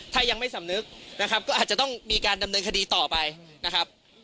ถ้ายังไม่สำนึกนะครับก็อาจจะต้องมีการดำเนินคดีต่อไปนะครับ